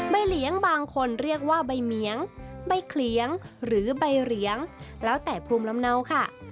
เลี้ยงบางคนเรียกว่าใบเหมียงใบเขลียงหรือใบเหลียงแล้วแต่ภูมิลำเนาค่ะ